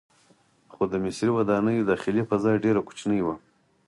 خو د مصري ودانیو داخلي فضا ډیره کوچنۍ وه.